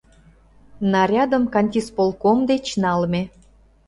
Нарядым кантисполком деч налме.